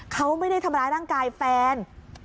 เขาไม่ได้ทำร้ายร่างกายแฟน